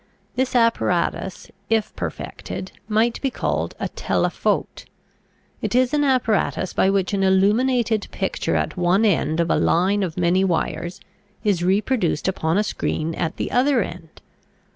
This apparatus, if perfected, might be called a Telephote. It is an apparatus by which an illuminated picture at one end of a line of many wires is reproduced upon a screen at the other end.